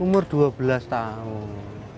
umur dua belas tahun